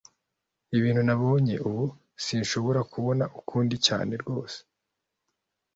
Ibintu nabonye ubu sinshobora kubona ukundi cyane rwose